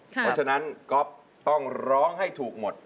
เพราะฉะนั้นก๊อฟต้องร้องให้ถูกหมด